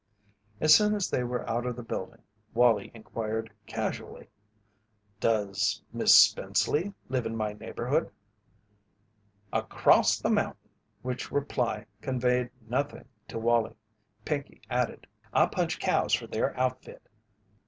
As soon as they were out of the building, Wallie inquired casually: "Does Miss Spenceley live in my neighbourhood?" "Across the mounting!" Which reply conveyed nothing to Wallie. Pinkey added: "I punch cows for their outfit."